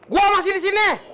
gua masih disini